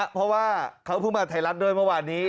เพราะว่าเขาเพิ่งมาไทยรัฐด้วยเมื่อวานนี้